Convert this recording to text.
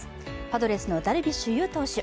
パドレスのダルビッシュ有選手。